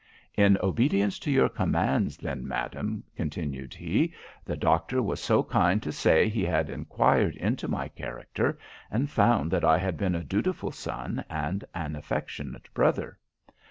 "In obedience to your commands, then, madam," continued he, "the doctor was so kind to say he had enquired into my character and found that I had been a dutiful son and an affectionate brother.